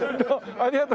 ありがとう。